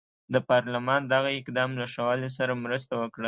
د پارلمان دغه اقدام له ښه والي سره مرسته وکړه.